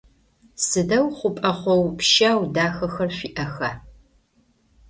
Сыдэу хъупӏэ хъоу-пщау дахэхэр шъуиӏэха?